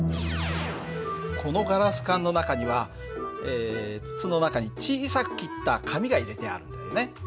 このガラス管の中には筒の中に小さく切った紙が入れてあるんだよね。